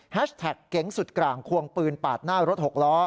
แท็กเก๋งสุดกลางควงปืนปาดหน้ารถหกล้อ